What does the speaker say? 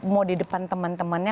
mau di depan teman temannya